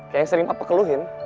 yang sering papa keluhin